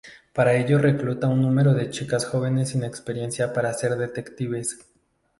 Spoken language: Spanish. Para ello recluta un número de chicas jóvenes sin experiencia para ser detectives.